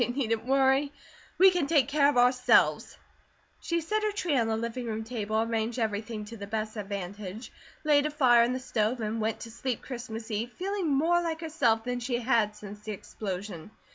They needn't worry, we can take care of ourselves." She set her tree on the living room table, arranged everything to the best advantage, laid a fire in the stove, and went to sleep Christmas eve, feeling more like herself than she had since the explosion.